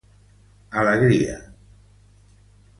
Alegría Galgo.